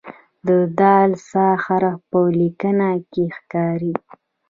د "ث" حرف په لیکنه کې ښکاري.